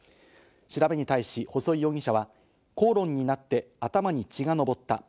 調べに対し、細井容疑者は口論になって頭に血がのぼった。